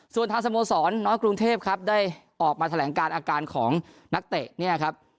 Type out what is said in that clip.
ส่วนทางสโมสรน้อยกรุงเทพครับได้ออกมาแถลงการอาการของนักเตะเนี่ยครับ